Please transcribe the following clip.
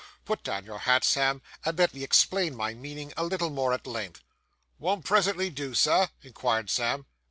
Put down your hat, Sam, and let me explain my meaning, a little more at length.' 'Won't presently do, sir?' inquired Sam.